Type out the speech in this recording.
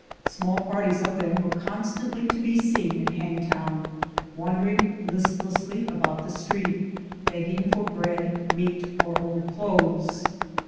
Small parties of them were constantly to be seen in Hangtown, wandering listlessly about the street, begging for bread, meat, or old clothes.